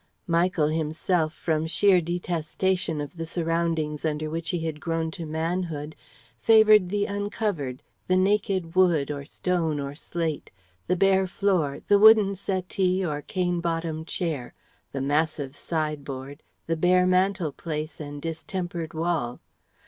Michael himself from sheer detestation of the surroundings under which he had grown to manhood favoured the uncovered, the naked wood or stone or slate, the bare floor, the wooden settee or cane bottomed chair, the massive side board, the bare mantelpiece and distempered wall.